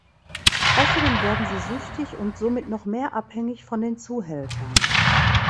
Außerdem werden sie süchtig und somit noch mehr abhängig von den Zuhältern.